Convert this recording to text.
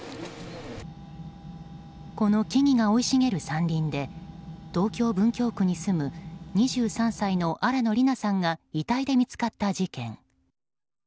この木々が生い茂る山林で東京・文京区に住む２３歳の新野りなさんが遺体で見つかった事件。